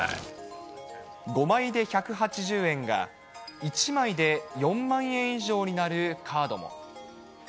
５枚で１８０円が、１枚で４万円以上になるカードも。